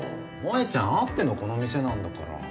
萌ちゃんあってのこの店なんだから！